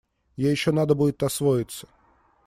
Ей еще надо будет освоиться.